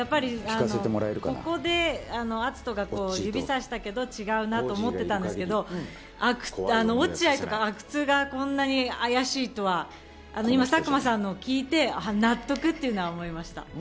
ここで篤斗が指をさしたけど違うなって思ってたんですけど、落合とか阿久津がこんなにあやしいとは今、佐久間さんのを聞いて納得と思いました。